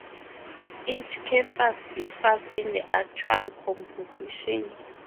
Each campus differs in the actual composition.